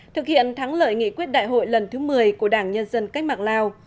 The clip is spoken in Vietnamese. thực hiện thắng lợi nghị quyết đại hội lần thứ một mươi của đảng nhân dân cách mạng lào